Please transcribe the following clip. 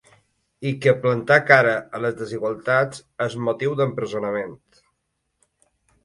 I que plantar cara a les desigualtats és motiu d’empresonament.